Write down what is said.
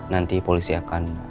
nanti polisi akan